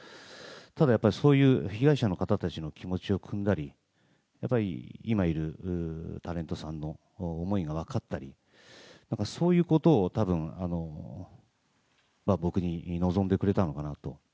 ただやっぱりそういう被害者の方の気持ちをくんだり、今いるタレントさんの思いが分かったり、そういうことを多分僕に望んでくれたのかなと。